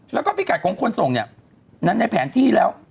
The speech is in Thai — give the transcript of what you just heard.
แล้วก็พี่กัดคงควรส่งนั้นในแผนที่แล้ว